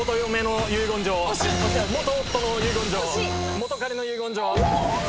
元彼の遺言状。